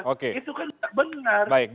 itu kan benar